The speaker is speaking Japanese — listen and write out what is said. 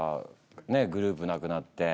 ねえグループなくなって。